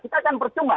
kita kan bercuma